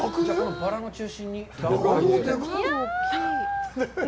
バラの中心に卵黄を入れて。